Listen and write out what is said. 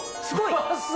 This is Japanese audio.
すごい！